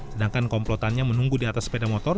sedangkan komplotannya menunggu di atas sepeda motor